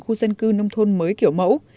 khu dân cư nông thôn mới kiểu mẫu